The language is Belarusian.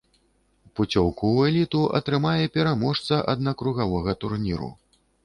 Пуцёўку ў эліту атрымае пераможца аднакругавога турніру.